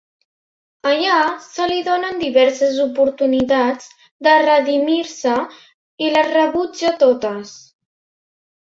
Allà se li donen diverses oportunitats de redimir-se i les rebutja totes.